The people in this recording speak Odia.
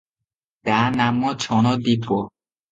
ତା ନାମ ଛଣଦ୍ୱୀପ ।